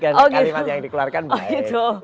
kalimat yang dikeluarkan baik